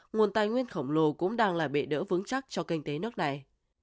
nguồn tài nguyên khổng lồ cũng đang là bệ đỡ vững chắc cho kinh tế nước này